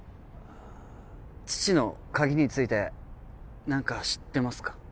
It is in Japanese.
父の鍵について何か知ってますか？